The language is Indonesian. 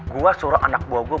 gue suruh anak buah gue